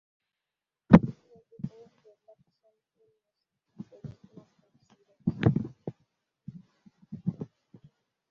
Los diseños de Blass son unos de los más conocidos.